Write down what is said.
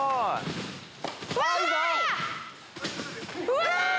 うわ！